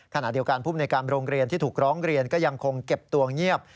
ขณะเดียวกันภูมิในการโรงเรียนที่ถูกร้องเรียนก็ยังคงเก็บตัวเงียบ